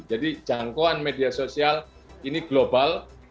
jadi jangkauan media sosial ini global